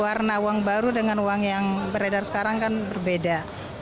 warna uang baru dengan uang yang beredar sekarang kan berbeda